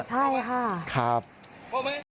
ใช่ค่ะครับพูดไหม